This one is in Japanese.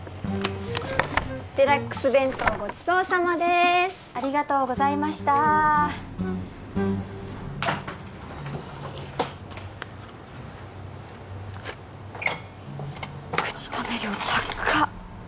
デラックス弁当ごちそうさまですありがとうございました口止め料高っ！